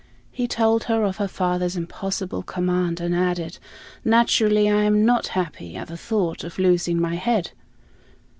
He told her of her father's impossible command and added, "Naturally, I am not happy at the thought of losing my head."